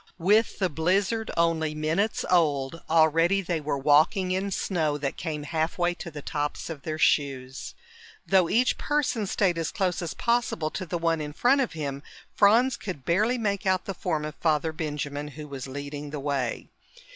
With the blizzard only minutes old, already they were walking in snow that came halfway to the tops of their shoes. Though each person stayed as close as possible to the one in front of him, Franz could barely make out the form of Father Benjamin, who was leading the way.